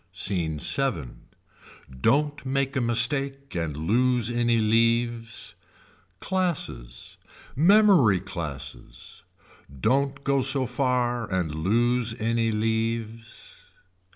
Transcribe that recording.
Scene VII. Don't make a mistake and lose any leaves. Classes. Memory classes. Don't go so far and lose any leaves.